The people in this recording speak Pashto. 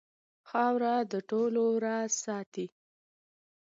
خاوره د ټولو راز ساتي.